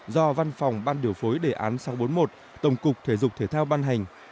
do văn phòng ban điều phối đề án sáu trăm bốn mươi một tổng cục thể dục thể thao ban hành